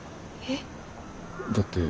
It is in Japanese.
えっ。